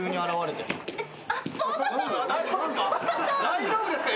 大丈夫ですか？